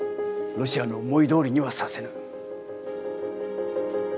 ロシアの思いどおりにはさせぬ。